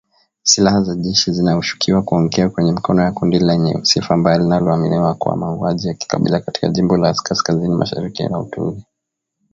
Silaha za jeshi zinashukiwa kuangukia kwenye mikono ya kundi lenye sifa mbaya linalolaumiwa kwa mauaji ya kikabila katika jimbo la kaskazini mashariki la Ituri